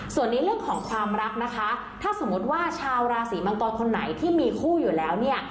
ส่วนในเรื่องของความรักนะคะถ้าสมมติว่าชาวราศีมังกรคนไหนที่มีคู่อยู่แล้วเนี่ย